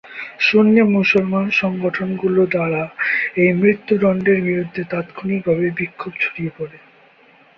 সুন্নী মুসলিম সংগঠন গুলো দ্বারা এই মৃত্যুদণ্ডের বিরুদ্ধে তাৎক্ষণিক ভাবে বিক্ষোভ ছড়িয়ে পরে।